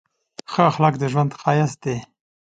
ښه اخلاق د ژوند ښایست دی.